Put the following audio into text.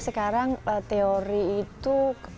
sekarang teori itu